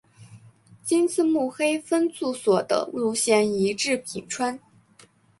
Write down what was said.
今次目黑分驻所的路线移至品川。